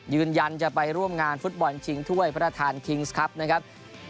ยืนยันจะไปร่วมงานฟุตบอลชิงถ้วยพระราชทานคิงส์ครับนะครับ